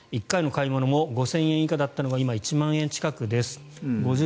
１回の買い物も５０００円以下だったのが今は１万円近くです。